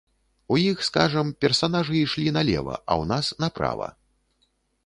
У іх, скажам, персанажы ішлі налева, а ў нас направа.